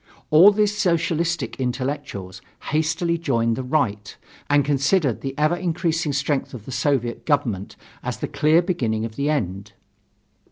All these "Socialistic" intellectuals hastily joined the Right and considered the ever increasing strength of the Soviet government as the clear beginning of the end.